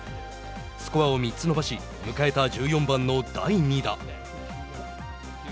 スコアを３つ伸ばし迎えた１４番の第２打。